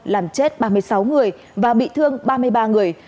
làm chết ba mươi sáu người và bị thương ba mươi ba người